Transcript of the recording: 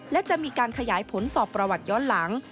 และจะมีการขยายผลสอบประวัติย้อนหลัง